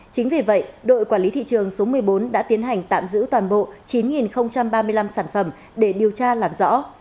chính vì vậy đội quản lý thị trường số một mươi bốn đã tiến hành tạm giữ toàn bộ chín ba mươi năm sản phẩm để điều tra làm rõ